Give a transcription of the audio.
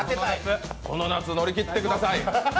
この夏乗り切ってください。